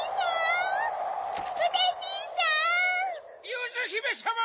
・ゆずひめさま！